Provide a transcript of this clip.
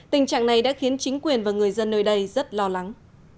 tình trạng này đã khiến chính quyền và người dân nơi đây rất lo lắng